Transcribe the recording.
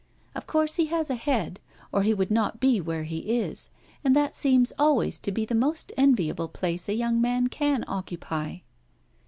Of course he has a head, or he would not be where he is and that seems always to me the most enviable place a young man can occupy.'